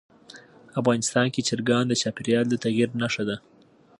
افغانستان کې چرګان د چاپېریال د تغیر نښه ده.